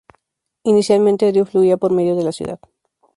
Inicialmente, el río fluía por medio de la ciudad.